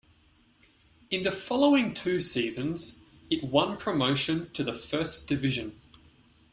In the following two seasons, it won promotion to the first division.